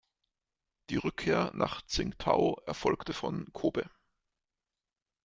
Die Rückkehr nach Tsingtau erfolgte von Kōbe.